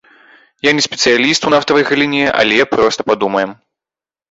Я не спецыяліст у нафтавай галіне, але проста падумаем.